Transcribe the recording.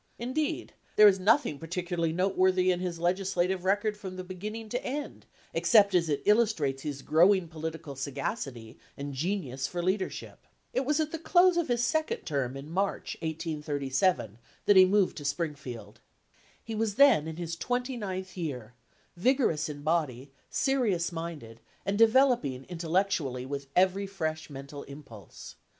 Indeed, there is nothing particularly note worthy in his legislative record from beginning to end, except as it illustrates his growing polit ical sagacity and genius for leadership. It was at the close of his second term in March, 1837, that he moved to Springfield. He was then in his twenty ninth year, vigorous in body, serious minded, and developing intellectually with every fresh mental impulse.